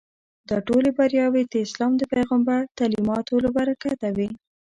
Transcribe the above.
دا ټولې بریاوې د اسلام د پیغمبر تعلیماتو له برکته وې.